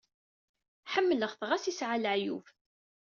Ḥemmelɣ-t, ɣas yesɛa leɛyub.